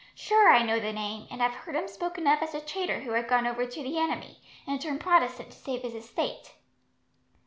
"Sure I know the name, and have heard him spoken of as a traitor who had gone over to the enemy, and turned Protestant to save his estate."